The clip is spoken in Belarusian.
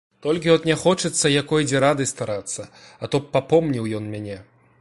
Толькі от не хочацца якой дзе рады старацца, а то б папомніў ён мяне.